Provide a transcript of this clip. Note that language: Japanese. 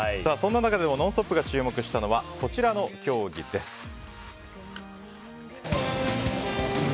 そんな中でも「ノンストップ！」が注目したのはこちらの競技です。